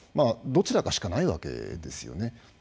どちらかしかないわけですよね。